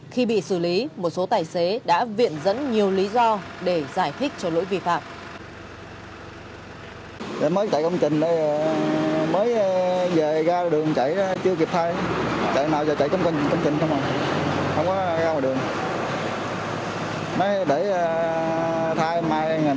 khi bị xử lý một số tài xế đã viện dẫn nhiều lý do để giải thích cho lỗi vi phạm